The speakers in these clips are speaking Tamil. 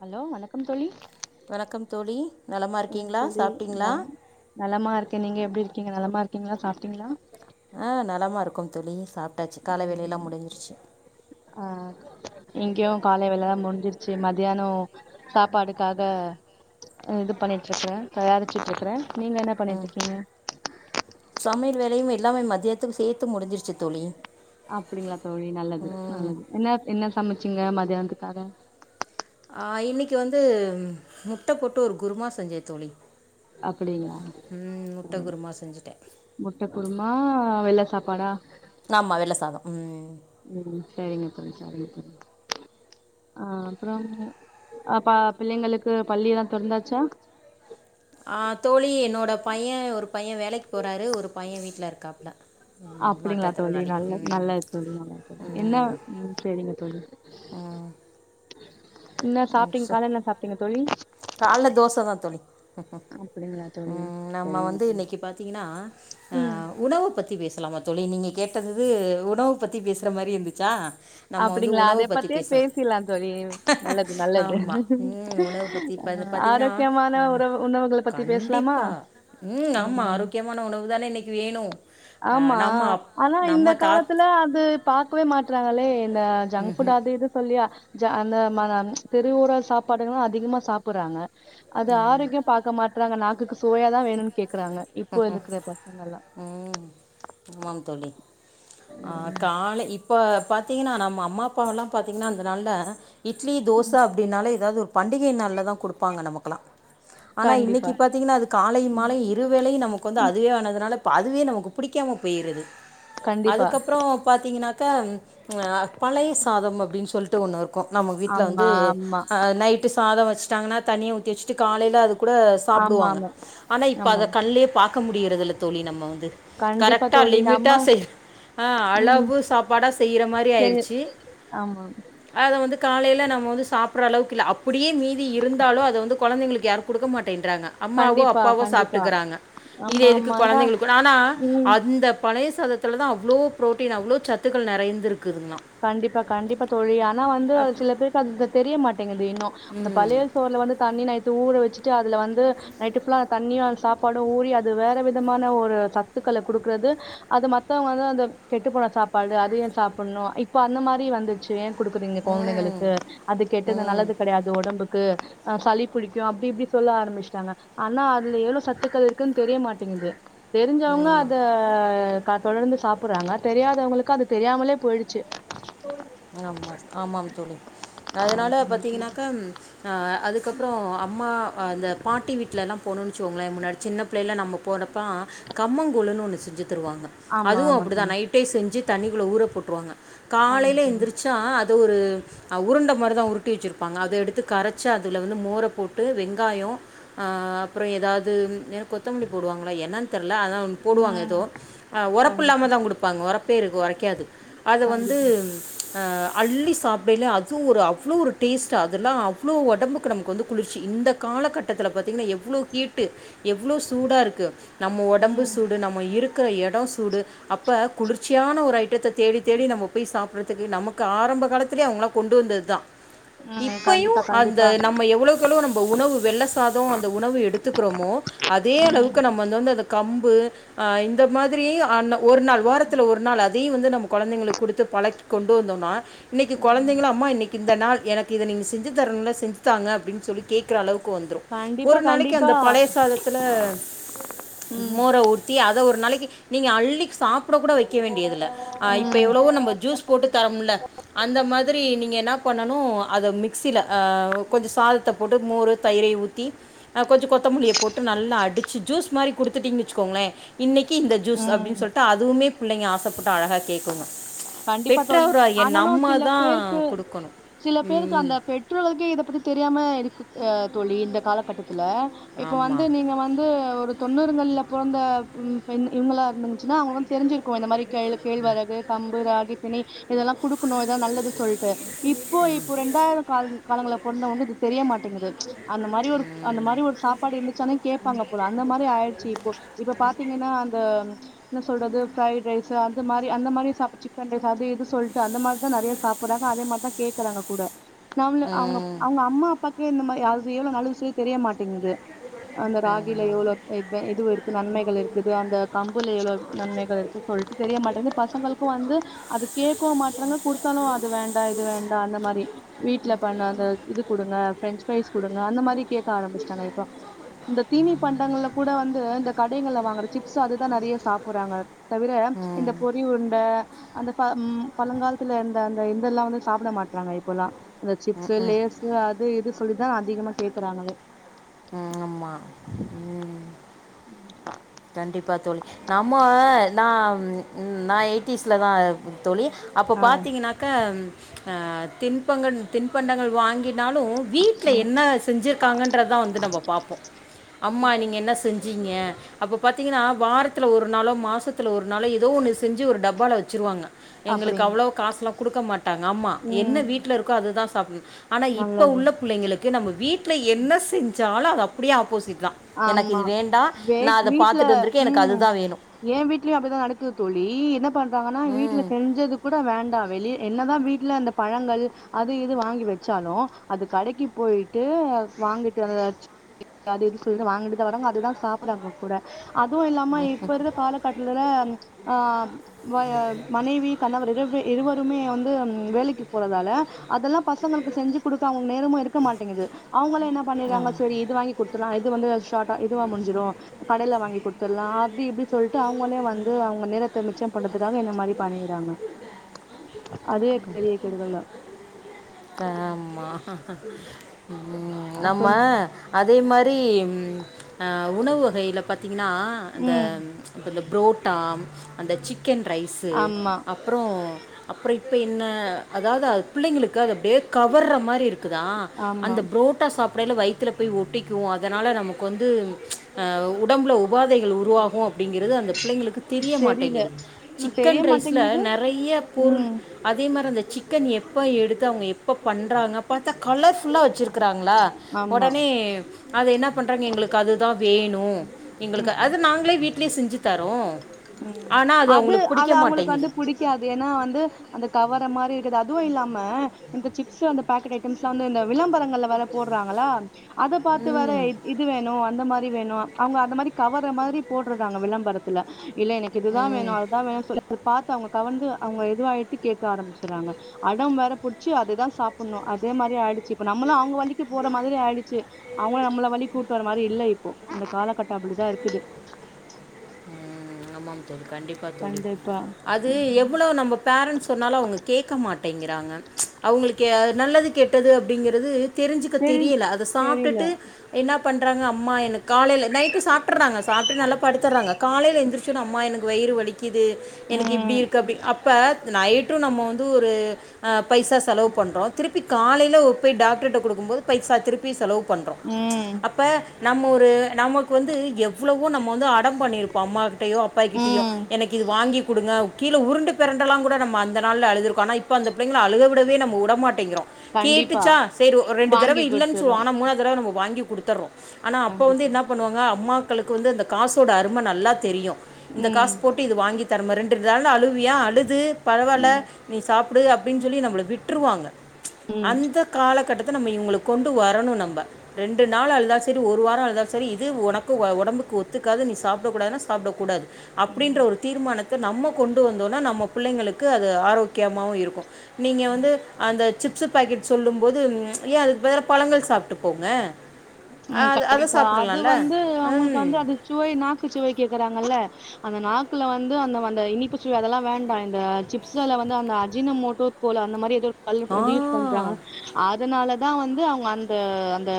ஹலோ வணக்கம் தோழி வணக்கம் தோழி நலமா என்ன இருக்கீங்ளா தோழி சாப்ட்டீங்ளா நலம் நலமா இருக்கே நீங்க எப்டி இருக்கீங்க நலமா இருக்கீங்ளா சாப்ட்டீங்ளா ஆ நலமா இருக்கோம் தோழி சாப்ட்டாச்சு கால வேலயெல்லா முடிஞ்சிச்சி ஆ இங்யு காலை வேலல்லா முடிஞ்சிச்சி மதியானோ சாப்பாடுக்காக அ இது பண்ணிட்ருக்றே தயாரிச்சுட்டுருக்றே நீங்க என்ன பண்ணிட்டு ம் இருக்கீங்க சமையல் வேலயு எல்லாமே மதியத்துக்கு சேத்து முடிஞ்சிருச்சு தோழி அப்படிங்ளா தோழி நல்லது ம் நல்லது என்ன என்ன சமச்சிங்க மதியானத்துக்காக ஆ இன்னைக்கு வந்து முட்ட போட்டு ஒரு குருமா செஞ்சே தோழி அப்டிங்ளா ம், முட்டை ம் குருமா செஞ்சுட்டேன் முட்ட குருமா வெள்ள சாப்பாடா ஆமா வெள்ள சாதம் ம் ம் சரிங்க தோழி சரிங்க தோழி ஆ அப்றம் அப்ப பிள்ளைங்களுக்கு பள்ளி எல்லா தொறந்தாச்சா ஆ தோழி என்னோட பைய ஒரு பைய வேலைக்கு போறாரு ஒரு பைய வீட்ல இருக்காப்ல அப்டிங்ளா தோழி நல்ல நல்லது தோழி நல்லது தோழி என்ன செரிங்க தோழி என்ன சாப்ட்டீங் கால என்ன சாப்பிட்டீங்க தோழி கால்ல தோச தா தோழி அப்டிங்களா தோழி ம் நம்ம செரிங்க வந்து தோழி இன்னைக்கி பாத்திங்கன்னா ஆ ம் உணவு பத்தி பேசலாம தோழி நீங்க கேட்டதுது உணவு பத்தி பேசுற மாரி இருந்துச்சா நம்ம வந்து அப்டிங்ளா அத உணவை பற்றி பத்தியே பேசலாம் பேசிலாம் தோழி நல்லது நல்லது ஆமாம் ம் உணவு பற்றி அ இப்போ இது பார்த்தீங்கன்னா ஆரோக்கியமான உறவு உணவுகள பத்தி பேசலாமா ம் கெமான உணவு தான இன்னைக்கு வேணு ஆமா ஆனா இந்த தாத் காலத்துல அது பாக்கவே மாட்றாங்களே இந்த ஜங்க் ஃபுட் அது இது சொல்லியா அந்த மா தெருவோற சாப்பாடுங்களா அதிகமா சாப்பறாங்க அது ஆரோக்கியம் பாக்க மாட்றாங்க நாக்குக்கு சுவயாதான் வேணும்ன் கேக்குறாங்க இப்போ ம் இருக்குற பசங்க எல்லா ம் ஆமாம் தோழி ஆ காலை இப் ப பாத்தீங்கன்னா நம்ம அம்மா அப்பாவலா பாத்தீங்கன்னா அந்த நாள்ல இட்லி தோச அப்டினால எதாவது ஒரு பண்டிகை நாள்ல தா குடுப்பாங்க நமக்கெல்லா ஆனா கண்டிப்பா இன்னைக்கு பாத்தீங்கன்னா அது காலை மாலையு இருவேளையும் நமக்கு வந்து அதுவே ஆனதுனாலப்ப அதுவே நமக்கு புடிக்காம போயிருது கண்டிப்பா அதுக்கப்பறோ பாத்தீங்கன்னாக்கா ஆ பழைய சாதம் அப்டின் சொல்ட்டு ஒண்ணு இருக் கோ நம்ம வீட்ல வந்து ஆமா ஆமா அ நைட்டு சாதம் வச்சட்டாங்கன்னா தண்ணிய ஊத்தி வச்சுட்டு காலையில அது கூட ஆமா சாப்புடுவாங்க ஆமா ஆனா இப்ப ஆமா அத கண்லே பாக்க முடியிறதில்ல தோழி நம்மோ து கண்டிப்பா கரெக்டா தோழி நம்ம லிமிட்டா செய் ஆ ம் அளவு சாப்பாடா செய்யற மாரி சரி ஆயிடுச்சு ஆமா அத வந்து காலையில நம்ம வந்து சாப்பற அளவுக்கு இல்ல அப்படியே மீதி இருந்தாலும் அத வந்து கொழந்தைங்களுக்கு யாரும் குடுக்க மாட்டேன்றாங்க அம்மாவோ கண்டிப்பா அப்பாவோ சாப் கண்டிப்பா டுகுறாங்க இது ஆமா எதுக்கு ஆமா ஏனா கொழந்தைங்கள் கூ ஆனா ம் அந்த பழைய சாதத்துல தா அவ்ளோ ப்ரோட்டீன் அவ்ளோ சத்துக்கள் நெறைந்துருக்குதுங்ளா கண்டிப்பா கண்டிப்பா தோழி ஆனா வந்து சில பேருக்கு அது தெரியமாட்டேங்குது இன்னு அந்த ம் பழைய சோறுல வந்து தண்ணி நைட்டு ஊற வெச்சுட்டு அதுல வந்து நைட்டு புல்லா அந்த தண்ணியும் அந் சாப்பாடும் ஊறி அது வேற விதமான ஒரு சத்துக்களை குடுக்குறது அது மத்தவங்க வந்து அந்த கெட்டு போன சாப்பாடு அதையே சாப்பணு இப்போ அந்த மாரி வந்துச்சு ஏ குடுக்குறீங்க கொழந்தைங்களுக்கு அது கெட்டது ம் நல்லது கெடையாது ஒடம்புக்கு அ சளி புடிக்கு அப்டி இப்டி சொல்ல ஆரம்பிச்சுட்டாங்க ஆனா அதுல எவ்ளோ சத்துக்கள் இருக்குன் தெரிய மாட்டேங்குது தெரிஞ்சவங்க ம் ம் அத க தொடர்ந்து சாப்புறாங்க தெரியாதவங்களுக்கு அது தெரியாமலே போயிடுச்சு ஆமா ஆமாம் தோழி ஆமா அதனால பாத்தீங்கனாக்கா ஆ அதுக்கப்பறோ அம்மா அந்த பாட்டி வீட்லலா போனோம்ன் வெச்சுகோங்களே முன்னாடி சின்ன பிள்ளைல்ல நம்ம போனப்போ கம்மங்கூழுன்னு ஒன்னு செஞ்சு தருவாங்க அதுவு ஆமா அப்டிதா தோழி நைட்டே செஞ்சி தண்ணிகுள்ள ஊற போட்ருவாங்க ஆமா காலையில எஞ் தோழி சா அது ஒரு உருண்ட மாரிதா உருட்டி வெச்சிருப்பாங்க அத எடுத்து கரைச்சு அதுல வந்து மோர போட்டு வெங்காயோ ஆ அப்பறோ எதாவது நெல் கொத் தமல்லி போடுவாங்களா என்னன் தெர்ல அதா ஒன் போடுவாங்க ம் எதோ ஆ கண்டிப்பா ஒரப்புல்லாம தா குடுப்பாங்க ஒரப் பேருக்கு ஒரைக்காது அத வந்து கண்டிப்பா ஆ அள்ளி சாப்டைல அதுவும் ஒரு அவ்ளோ ஒரு டேஸ்ட் அதெல்லா அவ்ளோ ஒடம்புக்கு வந்து குளிர்ச்சி இந்த கால கட்டத்துல பாத்தீங்கன்னா எவ்ளோ ஹீட்டு எவ்ளோ சூடா இருக்கு நம்ம ஒடம்பு ம் சூடு நம்ம இருக்குற எட சூடு அப்ப குளிர்ச்சியான ஒரு ஐட்டத்த தேடி தேடி நம்ம போய் சாப்பறதுக்கு நமக்கு ஆரம்ப காலத்துலே அவங்களா கொண்டு வந்தது தா ம் இப்பையு கண்டிப்பா அந்த கண்டிப்பா நம்ம எவ்ளோ கெளோ நம்ம உணவு வெள்ள சாதம் அந்த உணவு எடுத்துக்குறோமோ அதே ம் அளவுக்கு நம்ம வந்து வந்து அந்த கம்பு அ இந்த மாதிரி அ ஒரு நாள் வாரத்தில ஒரு நாள் அதையு வந்து நம்ம கொழந்தைகளுக்கு குடுத்து பழகிக் கொண் டு வந்தோனா இன்னைக்கு ம் கொழந்தைங்கல அம்மா இன்னிக் இந்த நாள் எனக்கு இத நீங்க செஞ்சு தரணுல செஞ்சுத்தாங்க அப்படின் சொல்லி கேக்கற அளவுக்கு வந்துரு கண்டிப்பா ஒரு நாளைக்கு கண்டிப்பா அந்த பழைய சாதத்தில ம் மோர ஊ த்தி அத ஒரு நாளைக்கு நீங்க அள்ளி சாப்பிட கூட வெய்க்க வேண்டியதில்ல அ இப்ப ம் எவ்வளோ நம்ம ஜூஸ் போட்டு தரமுல்ல அந்த மாதிரி நீங்க என்னா பண்ணணு அத மிக்சில அ கொஞ்ச சாதத்த போட்டு மோரோ தயிரை ஊத்தி அ கொஞ்ச கொத்தமல்லிய போட்டு நல்லா அடிச்சு ஜூஸ் மாரி குடுத்துட்டீங் வெச்சுக்கோங்ளே இன்னக்கி இந்த ஜூஸ் ம் அப்டின் சொல்ட்டு அதுவுமே புள்ளைங்க ஆசப்பட்டு அழகா கேக்குங்க கண்டிப்பா தோழி ஆனாலு சில பேருக்கு தான் கொடுக்கணும் சில பேருக்கு அந்த ம் பெற்றோருக்கே இத பத்தி தெரியாம இருக்கு அ தோழி இந்த காலகட்டத்தில இப்ப வந்து ஆமாம் நீங்க வந்து ஒரு தொண்ணூறுங்கள்ல பொறந்த ம் பெண் இவுங்களா இருந்துந்துச்சுன்னா அவுங்களுக் வந் தெரிஞ்சிருக்கு இந்த மாரி கேளு கேள்வரகு கம்பு ராகி தினை இதெல்லா குடுக்கணு இதா நல்லது சொல்ட்டு இப்போ இப்போ ரெண்டாயிரோ கால காலங்கள்ல பொறந்தவங்க இது தெரியமாட்டேங்குது அந்த மாரி ஒரு அந்த மாரி ஒரு சாப்பாடு இருந்துச்சானே கேப்பாங்க போல அந்த மாரி ஆயிடுச்சு இப்போ இப்ப பாத்தீங்கன்னா அந்த என்ன சொல்றது ஃபிரைட் ரைஸ் அந்த மாரி அந்த மாரி சா சிக்கன் ரைஸ் அது இது சொல்ட்டு அந்த மாரி தா நெறைய சாப்பட்றாங்க அதே மாரிதா கேக்குறாங்க கூட நம்ள அவுங்க ம் அவுங்க அம்மா அப்பாக்கே இந்த மாரி அவுது எவ்ளவு நல்லது சொல்லி தெரிய மாட்டேங்து அந்த ராகில எவ்ளோ இது [unintelligible] இது இருக்கு நன்மைகள் இருக்குது அந்த கம்புல எவ்ளோ நன்மைகள் இருக்கு சொல்ட்டு தெரிய மாட்டேங்குது பசங்களுக்கு வந்து அது கேக்கவ் மாற்றங்க குடுத்தாலு அது வேண்டா இது வேண்டா அந்த மாரி வீட்ல பண்ண அந்த இது குடுங்க பிரெஞ்ச் ஃபிரைஸ் குடுங்க அந்த மாரி கேக்க ஆரம்பிச்சுட்டாங்க இப்போ இந்த தீனி பண்டங்கள்ல கூட வந்து இந்த கடைகள்ல வாங்குற சிப்ஸ் அதுதா நெறைய சாப்பறாங்க தவிர இந்த ம் பொறி உருண்ட அந்த ப ம் பழங்காலத்துல இருந்த அந்த இந்தெல்லா வந்து சாப்பிட மாட்டறாங்க இப்போல்லா இந்த சிப்ஸு ம் ம் லேஸ் அது இது சொல்லிதா அதிகமா கேக்குறாங்களே ம் ஆமா ம் ம் கண்டிப்பா தோழி நம்ம நா நா எயிட்டிஸ்ல தா தோழி அப்போ ஆ பாத்தீங்கனாக்கா அ தின்பங்கன் தின்பண்டங்கள் வாங்கினாலு வீட்ல ம் என்ன செஞ்சிருக்காங்கன்றதா வந்து நம்ம பாப்போ அம்மா நீங்க என்ன செஞ்சீங்க அப்போ பாத்திங்கனா வாரத்தில ஒரு நாளோ மாசத்தில ஒரு நாளோ எதோ ஒன்னு செஞ்சு ஒரு டப்பால வெச்சுருவாங்க எங்களுக்கு அப்டிங் அவ்ளோ காசுலா குடுக்க மாட்டாங்க அம்மா ம் என்ன வீட்ல இருக்கோ அது தா சாப்பி ஆனா இப்ப நல்லது உள்ள பிள்ளைங்களுக்கு நம்ம வீட்ல என்ன செஞ்சாலு அது அப்டியே ஆப்போசிட் தா எனக்கு ஆமா இது வேண்டா நா அத பாத்துட்டு வந்திருக்கே எனக்கு அதுதா வேணு எ வீட்லயு அப்டிதா நடக்குது தோழி என்ன பண்றாங்கன்னா வீட்ல ம் செஞ்சது கூட வேண்டா வெளிய என்னதா வீட்ல அந்த பழங்கள் அது இது வாங்கி வெச்சாலு அது கடைக்கு போயிட்டு வாங்கிட்டு [inaudible] அது [unintelligible] வாங்கிட்டு தா வராங்க அதுதா சாப்படாம கூட அதுவு இல்லாம இப்ப இருக்க கால கட்லலா அ மய மனைவி கணவர் இருவி இருவருமே வந்து வேலைக்கு போறதால அதெல்லா பசங்களுக்கு செஞ்சு குடுக்க அவுங்க நேரமு இருக்க மாட்டிங்குது அவுங்களே என்ன பண்ணிறாங்க செரி இது வாங்கி குடுத்துறலா இ இது வந்து ஷார்ட்டா இதுவா முடிஞ்சுரு கடையில வாங்கி கொடுத்துட்லா அப்டி இப்டி சொல்லிட்டு அவங்களே வந்து அவ்ங்க நேரத்த மிச்சம் பண்றதுக்காக என்ன மாரி பண்ணிறாங்க அதுவே பெரிய கெடுதல்தா த ஆமா ம் ம் நம்ம அதே மாரி ம் உணவு வகையில பாத்தீங்கனா இந்த உம் இந்த புரோட்டா அந்த சிக்கன் ரைஸு ஆமா அப்றோ அப்றோ இப்போ என்ன அதாது பிள்ளைங்களுக்கு அது அப்டியே கவர்ற மாரி இருக்கு க்கு தா ஆமா அந்த புரோட்டா சாப்டையில வயித்துல போய் ஒட்டிக்கு அதனால நமக்கு வந்து அ உடம்புல உபாதைகள் உருவாகு அப்டிங்கிறது அந்த பிள்ளைங்களுக்கு தெரிய தெரியல மாட்டேங்கிது தெரிய சிக்கன் ரைஸ்ல மாட்டேங்குது நெறைய பொருள் உம் அதே மாரி அந்த சிக்கன் எப்போ எடுத்து அவங்க எப்போ பண்ணுறாங்க பாத்தா கலர்ஃபுல்லாக வச்சுருக்கறாங்களா ஆமா ஒடனே அது என்ன பண்றாங்க எங்களுக்கு அதுதா வேணு எங்களுக்கு அது நாங்களே வீட்லே செஞ்சு தரோ ம் அது அது அவுங்களுக்கு வந்து புடிக் காது ஏனா வந்து அந்த கவற மாரி இருக்குது அதுவு இல்லாம இந்த சிப்ஸ்சு அந்த பேக்கெட் ஐட்டம்ஸ்ல்லா வந்து இந்த விளம்பரங்கள்ல வேற போட்றாங்களா அத பாத்து வேற ம் இது வேணு அந்த மார் ரி வேணு அவ்ங்க அந்த மாரி கவர மாரி போட்டுறாங்க விளம்பரத்துல இல்ல எனக்கு இதுதா வேணு ம் அதுதா வேணு சொல்லி அத பாத்து அவ்ங்க கவர்ந்து அவ்ங்க இதுவாயிட்டு கேட்க ஆரம்பிச்சுறாங்க அடம் வேற புடிச்சு அததா சாப்புட்ணு அதே மாரி ஆயிடுச்சு இப்ப நம்மளு அவுங்க வழிக்கு போற மாரி ஆயிடுச்சு அவங்கள நம்மள வழி கூட்டு வற மாரி இல்ல இப்போ இந்த காலகட்டொ அப்டிதா இருக்குது ம், ஆமாம் தோழி கண்டிப்பா தோழி கண்டிப்பா அது எவ்ளோ நம்ம பேரண்ட்ஸ் சொன்னாலு அவுங்க கேக்க மாட்டேங்கிறாங்க அவங்களுக்கு நல்லது கெட்டது அப்பிடிங்கிறது தெரிஞ்சுக்க தெரி தெரியல அத தெரில சாப்ட்டுட்டு என்ன பண்ணுறாங்க அம்மா எனக் காலையில நைட்டு சாப்டுறாங்க சாப்ட்டு நல்லா படுத்துறாங்க காலையில எந்திரிச்சது அம்மா எனக்கு வயிறு வலி கிது எனக்கு இப்டி ம் இருக்கு அப்டி அப்ப நைட்டு நம்ம வந்து ஒரு அ பைசா செலவு பண்ணுறோ திருப்பி காலையில போய் டாக்டர்கிட்ட குடுக்கும்போது பைசா திருப்பி செலவு பண்ணுறோ ம் அப்போ நம்ம ஒரு நமக்கு வந்து எவ்வளவோ நம்ம வந்து அடம் பண்ணியிருப்போ அம்மா கிட்டயோ அப்பா கிட்டயோ ம் எனக்கு இது வாங்கி குடுங்க கீழ உருண்டு பெரண்டல்லா கூட நம்ம அந்த நாள்ல அழுதுருக்கோ ஆனா இப்ப அந்த பிள்ளங்கள அழக விடவே நம்ம வுடமாட் டிங்கிறோ கண்டிப்பா கேட்டுச்சா சேரி ஒர் ரெண்டு தடவ வாங்கி இல்லன்னு சொல்வோ குடுத்துறோ ஆனா மூணா தடவ நம்ம வாங்கி குடுத்துறோ ஆனா அப்ப வந்து கண்டிப்பா என்ன பண்ணுவாங்க அம்மாக்களுக்கு வந்து அந்த காசோட அரும நல்லா தெரியு இந்த ம் காசு போட்டு இது வாங்கி தரமா ரெண்டு [unintelligible] அழுவியா அழுது பரவால்ல ம் நீ சாப்டு அப்பிடின்னு சொல்லி நம்மள விட்டுருவாங்க ம் அந்த காலகட்டத்த நம்ம இவங்ளுக்கு கொண்டு வரணு நம்ம ரெண்டு நாள் அழுதா சேரி ஒரு வாரோ அழுதா சேரி இது ஒனக்கு ஒடம்புக்கு ஒத்துக்காது நீ சாப்ட கூடாதுனா சாப்ட கூடாது அப்டின்ற ம் ஒரு தீர்மானத்த நம்ம கொண்டு வந்தோனா நம்ம ப புள்ளைங்களுக்கு அது ஆரோக்கியமாவு இருக்கு நீங்க வந்து அந்த சிப்ஸு பாக்கெட் சொல்லும் போது ஏ அதுக்கு பதுலா பழங்கள் சாப்ட்டு போங்க ம் அது அதை கண்டிப்பா அது சாப்பிடலாம்ல வந்து அவங்களுக்கு ம் வந்து அது சுவை நாக்கு சுவை கேக்குறாங்கல்ல அந்த நாக்குல வந்து அந்த அந்த இனிப்பு சுவ அதெல்லா வேண்டா இந்த சிப்ஸுல வந்து அந்த அஜீனமோட்டோ போல அந்த மாரி ஏது [unintelligible] யூஸ் ஆ பண்றாங்க அதனாலதா வந்து அவுங்க அந்த அந்த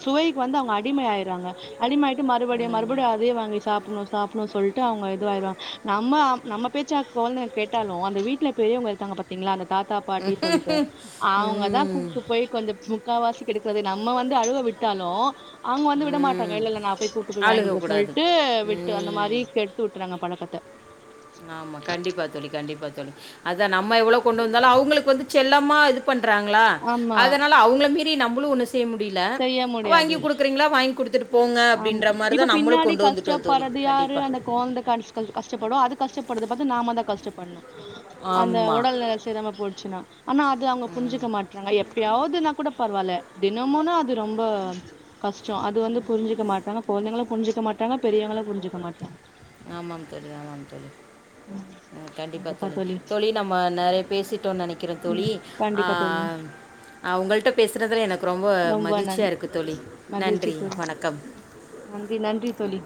சுவைக்கு வந்து அவங்க அடிமை ஆயிறாங்க அடிமை ஆயிட்டு மறுபடியு மறுபடியு அதே வாங்கி சாப்பிட்ணு சாப்பிட்ணு சொல்லிட்டு அவங்க இதுவாயிருவாங்க நம்ம நம்ம பேச்சா கொழந்த கேட்டாலு அந்த வீட்ல பெரியவங்க இருக்காங்க பாத்தீங்களா அந்த தாத்தா பாட்டின்னு சொல்லிட்டு அவங்கதா ம் கூப்பிட்டு போயி கொஞ்சோ முக்கால்வாசி கெடுக்க விட்டாலு நம்ம வந்து அழுவ விட்டாலு அவங்க வந்து விட மாட்றாங்க ம் இல்ல இல்ல நா போய் கூட்டு போய் வாங்கி குடுக்கிறே அழுகக்கூடாது சொல்ட்டு அந்த மாரி ம் கெ ட்டுறாங்க பழக்கத்த ஆமா கண்டிப்பா தோழி கண்டிப்பா தோழி அதா நம்ம எவ்ளோ கொண்டு வந்தாலு அவங்களுக்கு வந்து செல்லமா இது குக் பண்றாங்களா ஆமா அதனால அவங்கள‌ மீறி நம்மளு ஒன்னு செய்ய முடியல செய்ய வாங்கி முடியாது குடுத் றீங்களா வாங்கி குடுத்துட்டு போங்க ஆமா அப்டின்ற இப்ப மாரிதா நம்மளு பின்னாடி கொண்டு வந்துட்டோ தோழி கஷ்டப்பட்றது கண்டிப்பா [unintelligible] கஷ்டப்படு அது கஷ்டப்பட்றது பாத்து நாம தா கஷ்டப்படணு அந்த ஆமாம் ஒடல் நில செரியாம போயிடுச்சுன்னா ஆனா அது அவங்க ம் புரிஞ்சிக்க மாட்றாங்க எப்பயாவதுன்னா கூட பரவாயில்ல தினமுன்னா அது ரொம்ப கஷ்டோ அது வந்து புரிஞ்சிக்க மாட்டாங்க கொழந்தைங்களு புரிஞ்சிக்க மாட்டாங்க பெரியவங்களு புரிஞ்சிக்க மாட்டாங்க ஆமாம் தோழி‌ ஆமாம் தோழி ம் கண்டிப்பா தோழி தோழி நம்ம நெறைய பேசிட்டோன்னு நெனைக்கிற ம் தோழி ஆ கண்டிப்பா தோழி ஆ உங்கள்ட்ட பேசுறதுல எனக்கு ரொம்ப மகிழ்ச்சியா இருக்கு தோழி மகிழ்ச்சி நன்றி தோழி வணக்கம் நன்றி நன்றி தோழி